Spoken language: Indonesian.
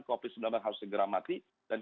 covid sembilan belas harus segera mati dan